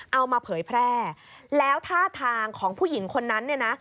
เอามาเผยแพร่แล้วท่าทางของผู้หญิงคนนั้นเนี่ยนะ